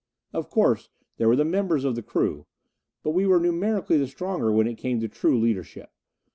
Of course there were the members of the crew. But we were numerically the stronger when it came to true leadership.